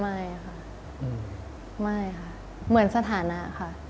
ไม่ค่ะไม่ค่ะเหมือนสถานะค่ะ